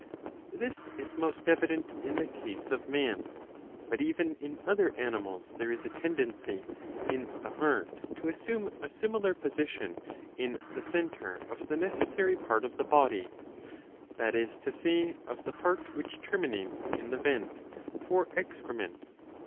This is most evident in the case of man, but even in other animals there is a tendency in the heart to assume a similar position, in the centre of the necessary part of the body, that is to say of the part which terminates in the vent for excrement.